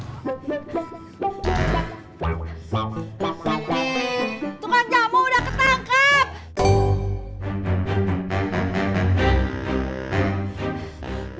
tukang jamu udah ketangkep